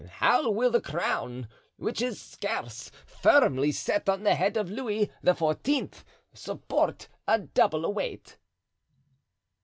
How will the crown, which is scarce firmly set on the head of Louis XIV., support a double weight?"